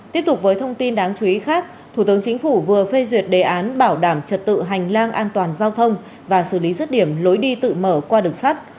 tiếp tục với thông tin đáng chú ý khác thủ tướng chính phủ vừa phê duyệt đề án bảo đảm trật tự hành lang an toàn giao thông và xử lý rứt điểm lối đi tự mở qua đường sắt